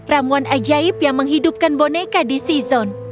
ramuan ajaib yang menghidupkan boneka di c zone